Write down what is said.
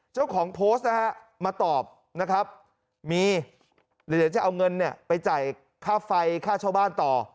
เจ้าของโพสต์นะฮะมาตอบนะครับมีเดี๋ยวจะเอาเงินเนี่ยไปจ่ายค่าไฟค่าเช่าบ้านต่อ